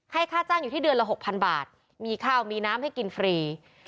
ค่าจ้างอยู่ที่เดือนละ๖๐๐บาทมีข้าวมีน้ำให้กินฟรี